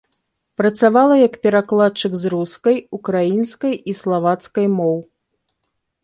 Працавала як перакладчык з рускай, украінскай і славацкай моў.